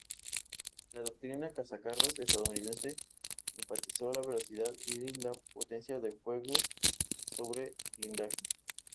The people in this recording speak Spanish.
La doctrina cazacarros estadounidense enfatizó la velocidad y la potencia de fuego sobre blindaje.